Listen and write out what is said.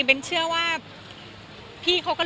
ปาเฟอร์ฟิช